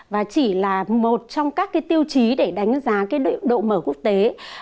và chỉ là một trong các tiêu chí để đánh giá độ mở quốc tế